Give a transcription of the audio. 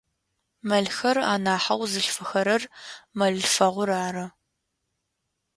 Мэлхэр анахьэу зылъфэхэрэр мэлъылъфэгъур ары.